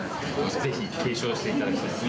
ぜひ継承していただきたい。